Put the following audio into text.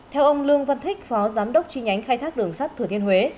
theo ông lương văn thích phó giám đốc tri nhánh khai thác đường sắt thừa thiên huế